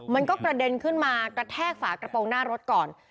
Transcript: มันก็กระเด็นขึ้นมากระแทกฝากระโปรงหน้ารถก่อน